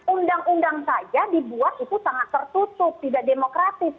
undang undang saja dibuat itu sangat tertutup tidak demokratis